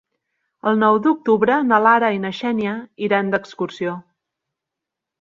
El nou d'octubre na Lara i na Xènia iran d'excursió.